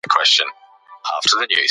د کار وخت تنظیمول د روغتیا لپاره ګټور دي.